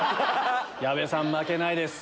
矢部さん負けないです。